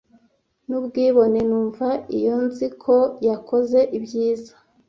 Nubwibone numva iyo nzi ko yakoze ibyiza.